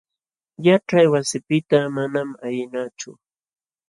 Yaćhay wasipiqta manam ayqinachu.